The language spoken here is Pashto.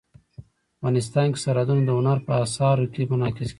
افغانستان کې سرحدونه د هنر په اثار کې منعکس کېږي.